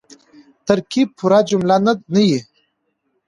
ترکیب پوره جمله نه يي.